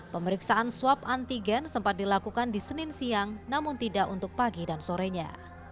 pemeriksaan swab antigen sempat dilakukan di senin siang namun tidak untuk pagi dan sorenya